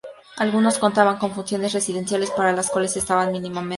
Algunos contaban con funciones residenciales, para las cuales estaban mínimamente dotados.